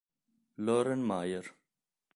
Loren Meyer